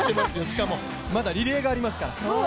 しかもまだリレーがありますから。